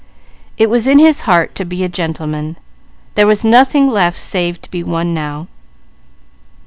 It was in his heart to be a gentleman; there was nothing left save to be one now.